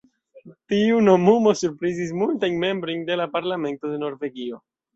Tiu nomumo surprizis multajn membrojn de la Parlamento de Norvegio.